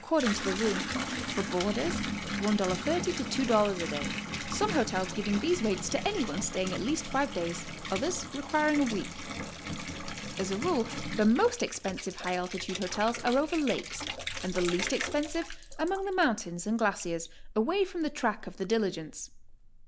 rding to the room; for boarders, $1.30 to $2 a day, some hotels giving these rates to any one staying at least five days, others requiring a week. As a rule, the most expensive high altitude hotels are over lakes and the least expensive among the mountains and glaciers, away from the track of the diligence.